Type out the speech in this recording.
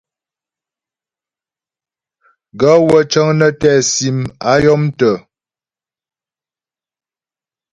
Gaə̂ wə́ cə́ŋ nə́ tɛ́ sim a yɔ̀mtə́.